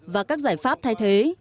và các giải pháp thay thế